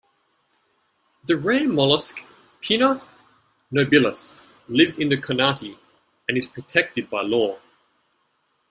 The rare mollusc "Pinna nobilis" lives in the Kornati and is protected by law.